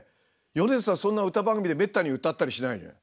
そんな歌番組でめったに歌ったりしないのよ。